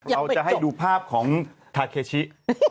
เราจะให้ดูภาพของทาเคชิ